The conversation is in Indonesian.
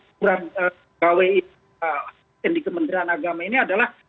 penguatan di kementerian agama ini adalah